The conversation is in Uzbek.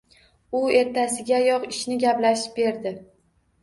U ertasigayoq ishni gaplashib berdi.